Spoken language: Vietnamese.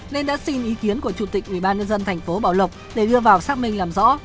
nên đã xin ý kiến của chủ tịch ubnd tp bảo lộc để đưa vào xác minh làm rõ